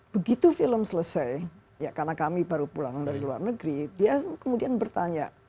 begitu film selesai ya karena kami baru pulang dari luar negeri dia kemudian bertanya